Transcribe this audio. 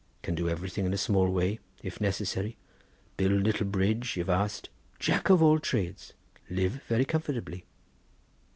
Can do everything in small way, if necessary; build little bridge, if asked;—Jack of all Trades—live very comfortably."